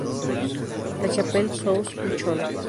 La Chapelle-sous-Uchon